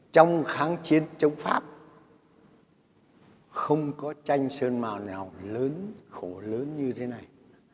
trong kháng chiến chống pháp không có tranh sơn mà nào lớn khổ lớn như thế này